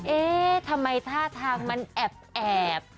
เอ๊ะทำไมท่าทางมันแอบ